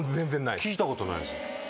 聞いたことないんですよ。